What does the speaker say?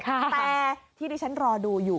แต่ที่ที่ฉันรอดูอยู่